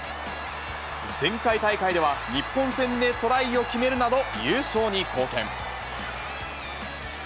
前回大会では日本戦でトライを決めるなど、優勝に貢献。